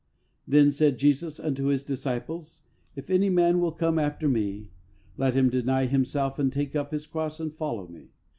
Then said Jesus unto His disciples : If any man will come after Me, let him deny himself and take up his cross and follow Me.